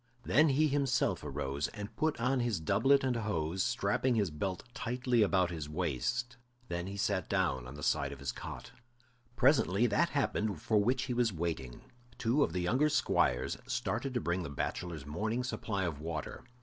Then he himself arose and put on his doublet and hose, strapping his belt tightly about his waist; then he sat down on the side of his cot. Presently that happened for which he was waiting; two of the younger squires started to bring the bachelors' morning supply of water.